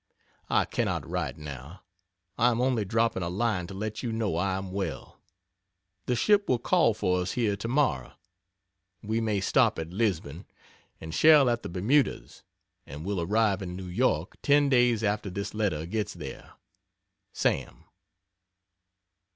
I cannot write now. I am only dropping a line to let you know I am well. The ship will call for us here tomorrow. We may stop at Lisbon, and shall at the Bermudas, and will arrive in New York ten days after this letter gets there. SAM.